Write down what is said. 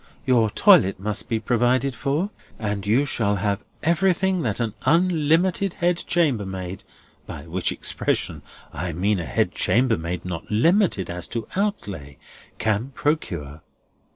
Your toilet must be provided for, and you shall have everything that an unlimited head chambermaid—by which expression I mean a head chambermaid not limited as to outlay—can procure.